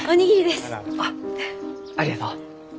あっありがとう。